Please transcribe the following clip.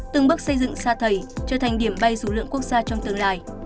từng bước xây dựng xa thầy trở thành điểm bay du lượn quốc gia trong tương lai